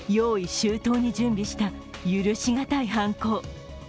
周到に準備した許しがたい犯行。